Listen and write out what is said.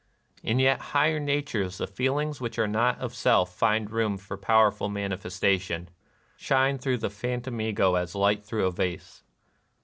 In yet higher natures the feelings which are not of self find room for powerful manifestation, — shine through the phantom Ego as light through a vase.